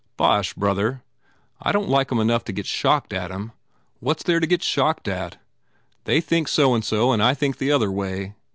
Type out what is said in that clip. "Bosh, brother. I don t like em enough to get shocked at em. What s there to get shocked at? They think so and so and I think the other way.